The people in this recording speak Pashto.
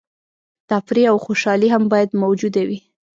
تفریح او خوشحالي هم باید موجوده وي.